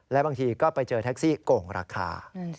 และบางทีก็ไปเจอแท็กซี่โก่งราคา